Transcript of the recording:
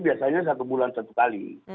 biasanya satu bulan satu kali